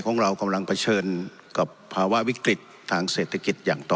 ของเรากำลังเผชิญกับภาวะวิกฤตทางเศรษฐกิจอย่างต่อ